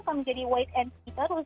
akan menjadi wait and see terus